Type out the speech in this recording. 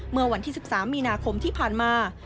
เมื่อวันที่๑๓มีนาคมที่ผ่านมา